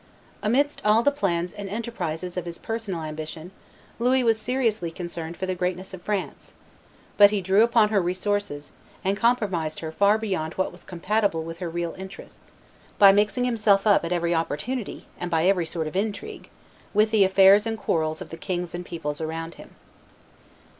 Amidst all the plans and enterprises of his personal ambition Louis was seriously concerned for the greatness of France; but he drew upon her resources, and compromised her far beyond what was compatible with her real interests, by mixing himself up, at every opportunity and by every sort of intrigue, with the affairs and quarrels of the kings and peoples around him.